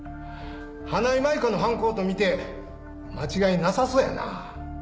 花井舞香の犯行と見て間違いなさそうやな。